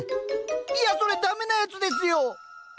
いやそれ駄目なやつですよ！